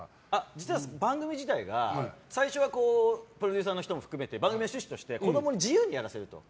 実は番組自体は最初はプロデューサーの人も含めて番組趣旨として子供に自由にやらせると。